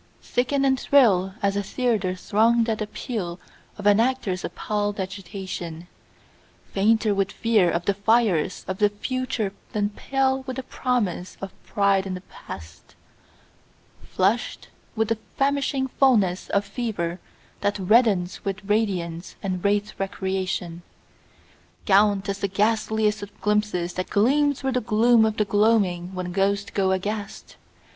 Thicken and thrill as a theatre thronged at appeal of an actor's appalled agitation, Fainter with fear of the fires of the future than pale with the promise of pride in the past; Flushed with the famishing fullness of fever that reddens with radiance and rathe* recreation, [speedy] Gaunt as the ghastliest of glimpses that gleam through the gloom of the gloaming when ghosts go aghast?